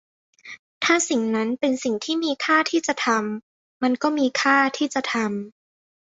ถ้าสิ่งนั้นเป็นสิ่งที่มีค่าที่จะทำ มันก็มีค่าที่จะทำ